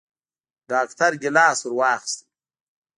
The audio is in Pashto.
ډاکتر ګېلاس ورواخيست.